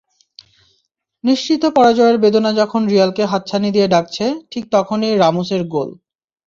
নিশ্চিত পরাজয়ের বেদনা যখন রিয়ালকে হাতছানি দিয়ে ডাকছে, ঠিক তখনই রামোসের গোল।